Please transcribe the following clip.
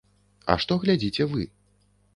А што глядзіце вы?